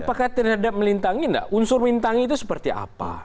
apakah terhadap melintangi tidak unsur lintangi itu seperti apa